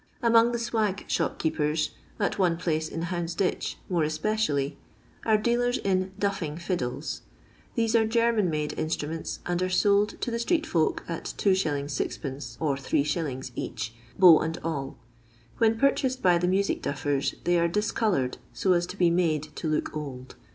Among the swag shopkeepers, at one place in Uoundsditch more especially, are dealers in " duffing fiddles." These are German made in struments, and are sold to the street folk at 2s. 6d, or 3f. each, bow and all. When purchased by the music duffers, they are discoloured so as to be made to look old.